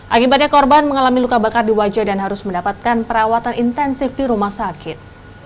akibatnya korban mengalami luka bakar di wajah dan harus mendapatkan perawatan intensif di rumah sakit